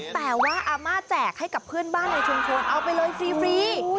แต่ว่าอาม่าแจกให้กับเพื่อนบ้านในชุมชนเอาไปเลยฟรี